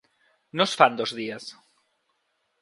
No es fa en dos dies.